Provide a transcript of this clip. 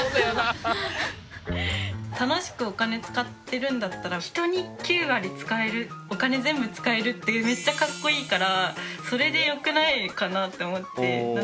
楽しくお金使ってるんだったら人に９割使えるお金全部使えるってめっちゃかっこいいからそれでよくないかなって思って。